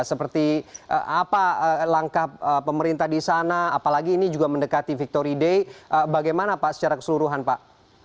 seperti apa langkah pemerintah di sana apalagi ini juga mendekati victory day bagaimana pak secara keseluruhan pak